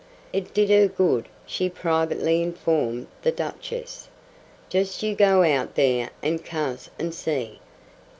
It did her good, she privately informed the Duchess. "Just you go out there and cuss, and see."